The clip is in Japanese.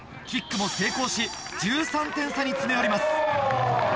キックも成功し１３点差に詰め寄ります。